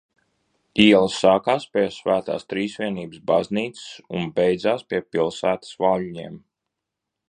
Iela sākās pie Svētās Trīsvienības baznīcas un beidzās pie pilsētas vaļņiem.